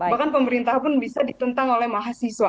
bahkan pemerintah pun bisa ditentang oleh mahasiswa